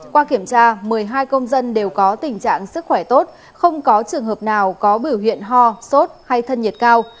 qua kiểm tra một mươi hai công dân đều có tình trạng sức khỏe tốt không có trường hợp nào có biểu hiện ho sốt hay thân nhiệt cao